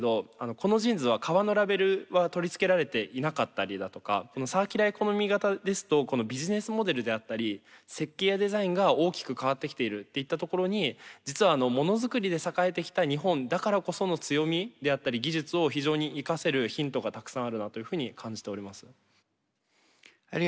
このジーンズは革のラベルは取り付けられていなかったりだとかサーキュラーエコノミー型ですとこのビジネスモデルであったり設計やデザインが大きく変わってきているっていったところに実はものづくりで栄えてきた日本だからこその強みであったり技術を非常に生かせるヒントがたくさんあるなというふうに感じております。